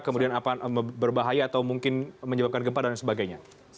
kemudian apa berbahaya atau mungkin menyebabkan gempa dan sebagainya